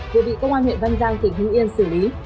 vừa bị công an huyện văn giang tỉnh hưng yên xử lý